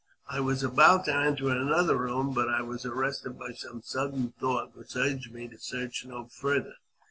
I was about to enter another room, but I was arrested by some sudden thought which urged me to search no farther.